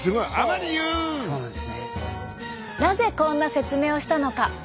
なぜこんな説明をしたのか。